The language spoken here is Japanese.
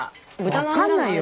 分かんないよ。